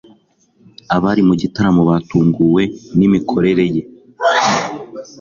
abari mu gitaramo batunguwe n'imikorere ye